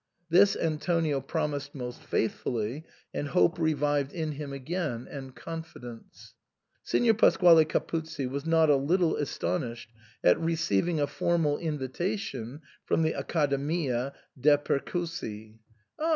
This Antonio promised most faithfully, and hope revived in him again, and confidence. Signor Pasquale Capuzzi was not a little astonished at receiving a formal invitation from the Accademia de* Percossi. "Ah!"